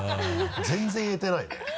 全然言えてないね。